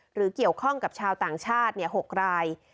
หรือเกี่ยวข้องกับชาวต่างชาติ๖ราย